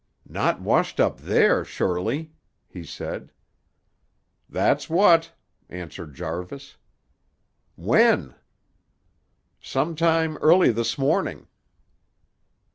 "Not washed up there, surely?" he said. "Thet's what," answered Jarvis. "When?" "Sometime early this morning."